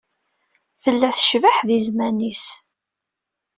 Tella tecbeḥ di zzman-is.